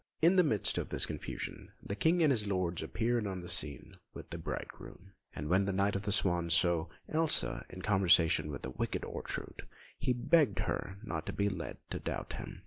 In the midst of this confusion, the King and his lords appeared on the scene with the bridegroom; and when the Knight of the Swan saw Elsa in conversation with the wicked Ortrud, he begged her not to be led to doubt him.